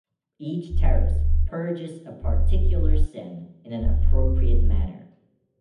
Each terrace purges a particular sin in an appropriate manner.